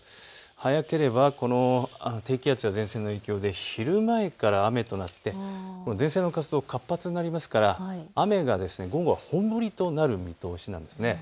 早ければこの低気圧や前線の影響で昼前から雨となって前線の活動、活発になりますから雨が午後は本降りとなる見通しです。